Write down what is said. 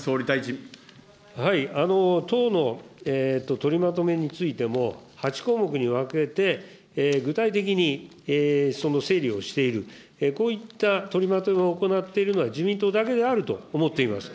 はい、党の取りまとめについても、８項目に分けて具体的に整理をしている、こういった取りまとめを行っているのは自民党だけであると思っています。